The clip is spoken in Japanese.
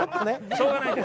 しょうがないです。